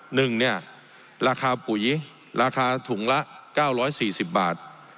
หนึ่งเนี่ยราคาปุ๋ยราคาถุงละ๙๔๐บาท